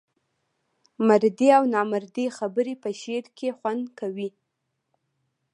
مردۍ او نامردۍ خبري په شعر کې خوند کوي.